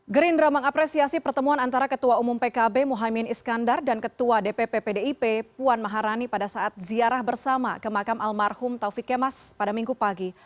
gerindra mengapresiasi pertemuan antara ketua umum pkb mohaimin iskandar dan ketua dpp pdip puan maharani pada saat ziarah bersama ke makam almarhum taufik kemas pada minggu pagi